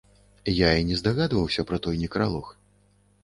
Я і не здагадваўся пра той некралог.